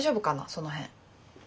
その辺。